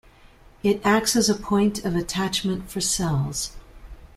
It acts as a point of attachment for cells.